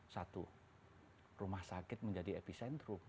satu rumah sakit menjadi epicentrum